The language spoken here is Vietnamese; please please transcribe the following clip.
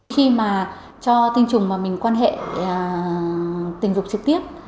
khi mà cho tinh trùng mà mình quan hệ tình dục trực tiếp